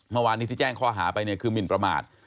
เมื่อวานที่แจ้งข้อหาไปคือมีนประมาท